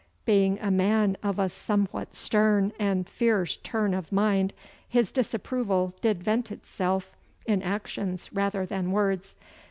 Being a man of a somewhat stern and fierce turn of mind, his disapproval did vent itself in actions rather than words.